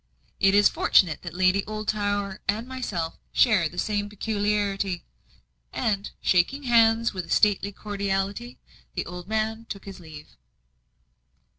"It is fortunate that Lady Oldtower and myself share the same peculiarity." And, shaking hands with a stately cordiality, the old man took his leave.